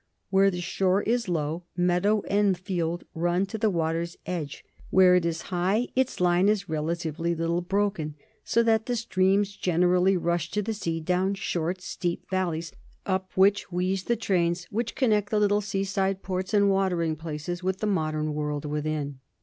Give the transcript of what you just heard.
Where the shore is low, meadow and field run to the water's edge; where it is high, its line is relatively little broken, so that the streams gener ally rush to the sea down short, steep valleys, up which wheeze the trains which connect the little seaside ports and watering places with the modern world within.